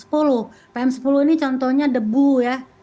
pm sepuluh ini contohnya debu ya